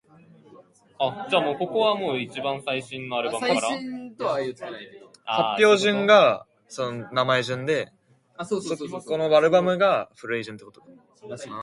After the death of Antipater, Peithon expanded his realm.